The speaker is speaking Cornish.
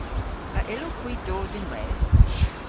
A yllowgh hwi dos ynwedh?